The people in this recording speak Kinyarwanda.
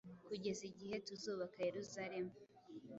Kugeza igihe tuzubaka Yeruzalemu